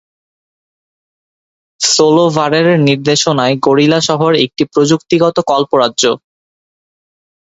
সোলোভারের নির্দেশনায় গরিলা শহর একটি প্রযুক্তিগত কল্পরাজ্য।